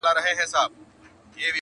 هغه پر د ده د قام او د ټبر و.